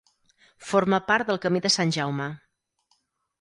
Forma part del camí de Sant Jaume.